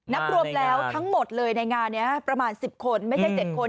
นับรวมแล้วทั้งหมดเลยในงานนี้ประมาณ๑๐คนไม่ใช่๗คน